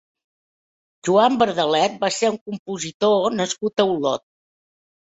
Joan Verdalet va ser un compositor nascut a Olot.